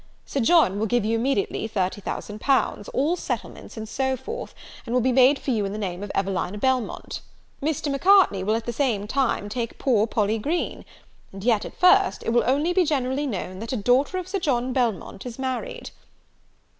Sir John will give you immediately L.30,000; all settlements, and so forth, will be made for you in the name of Evelina Belmont: Mr. Macartney will at the same time take poor Polly Green; and yet, at first, it will only be generally known that a daughter of Sir John Belmont is married."